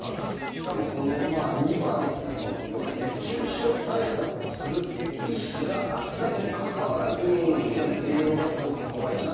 しかも、この２番の要は熱中症対策をするっていう意識があったにもかかわらずそうなっちゃうっていうのがすごく怖いです。